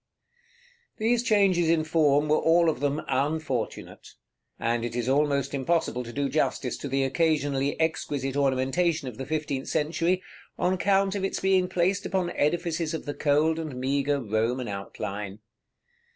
§ XIX. These changes in form were all of them unfortunate; and it is almost impossible to do justice to the occasionally exquisite ornamentation of the fifteenth century, on account of its being placed upon edifices of the cold and meagre Roman outline.